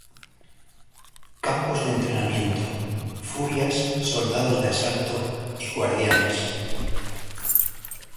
Campos de entrenamiento:furias, soldados de asalto y guardianes.